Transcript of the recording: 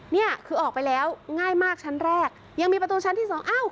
เนี่ยคือออกไปแล้วง่ายมากชั้นแรกยังมีประตูชั้นที่สองอ้าว